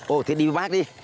ồ thì đi với bác đi